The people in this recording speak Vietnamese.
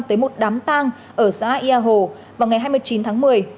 tới một đám tang ở xã yà hồ vào ngày hai mươi chín tháng một mươi